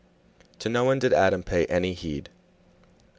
To no one did Adam pay any heed.